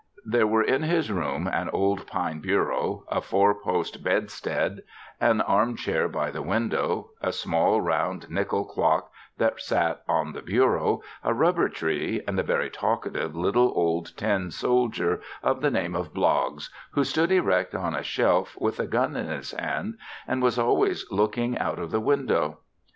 There were in this room an old pine bureau, a four post bedstead, an armchair by the window, a small round nickel clock, that sat on the bureau, a rubber tree and a very talkative little old tin soldier of the name of Bloggs who stood erect on a shelf with a gun in his hand and was always looking out of the window.